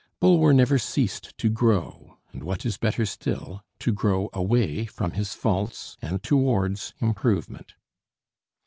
Bulwer never ceased to grow; and what is better still, to grow away from his faults and towards improvement.